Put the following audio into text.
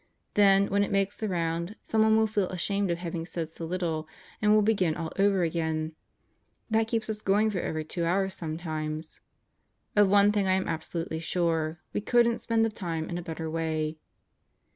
Then when it makes the round, someone will feel ashamed of having said so little and will begin all over again. That keeps us going for over two hours sometimes. Of one thing I am absolutely sure: we couldn't spend the time in a better way.